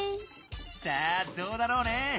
さあどうだろうね。